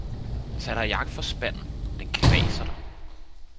Tag dig i agt for spanden, den kvaser dig.